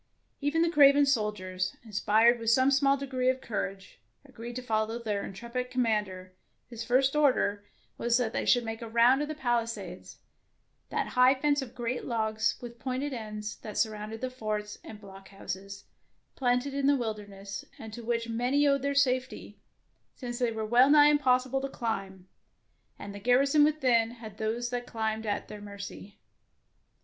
Even the craven soldiers, inspired with some small degree of courage, agreed to follow their intrepid com mander, whose first order was that 105 DEEDS OF DARING they should make a round of the pali sades, that high fence of great logs with pointed ends that surrounded the forts and blockhouses planted in the wilderness, and to which many owed their safety, since they were well nigh impossible to climb, and the gar rison within had those that climbed at their mercy.